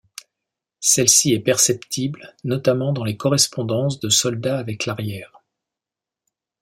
Celle-ci est perceptible notamment dans les correspondances de soldats avec l'arrière.